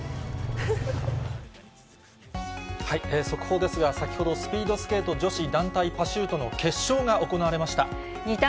速報ですが、先ほど、スピードスケート女子団体パシュートの決勝が行われました。